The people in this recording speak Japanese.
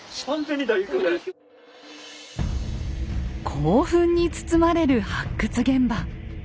興奮に包まれる発掘現場。